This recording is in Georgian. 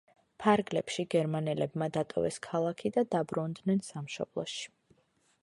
ფარგლებში გერმანელებმა დატოვეს ქალაქი და დაბრუნდნენ სამშობლოში.